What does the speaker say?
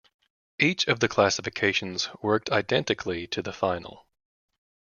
Each of the classifications worked identically to the final.